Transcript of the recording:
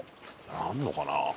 あるのかな？